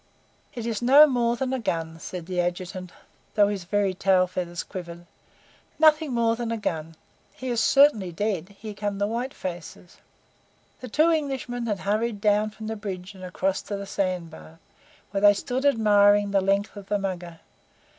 "It is no more than a gun," said the Adjutant, though his very tail feathers quivered. "Nothing more than a gun. He is certainly dead. Here come the white faces." The two Englishmen had hurried down from the bridge and across to the sand bar, where they stood admiring the length of the Mugger.